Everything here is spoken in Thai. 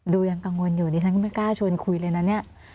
ยังกังวลอยู่ดิฉันก็ไม่กล้าชวนคุยเลยนะเนี่ย